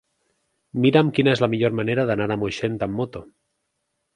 Mira'm quina és la millor manera d'anar a Moixent amb moto.